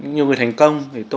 nhiều người thành công